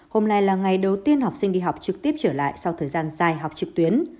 hôm nay là ngày đầu tiên học sinh đi học trực tiếp trở lại sau thời gian dài học trực tuyến